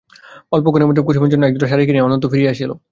অল্পক্ষণের মধ্যে কুসুমের জন্য একজোড়া শাড়ি কিনিয়া অনন্ত ফিরিয়া আসিল।